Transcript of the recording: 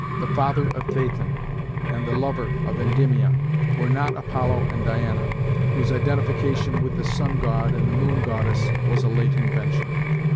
The father of Phaëthon and the lover of Endymion were not Apollo and Diana, whose identification with the Sungod and the Moongoddess was a late invention.